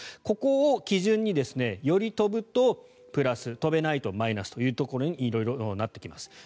ここを基準により飛ぶとプラス飛べないとマイナスということに色々、なってきます。